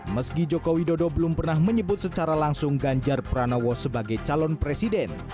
meski joko widodo belum pernah menyebut secara langsung ganjar pranowo sebagai calon presiden